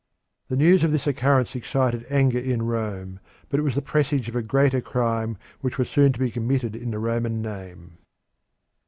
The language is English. The news of this occurrence excited anger in Rome, but it was the presage of a greater crime which was soon to be committed in the Roman name.